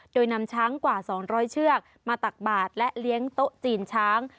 โดยนำช้างกว่า๒๐๐เชือกมาตักบาดและเลี้ยงโต๊ะจีนช้าง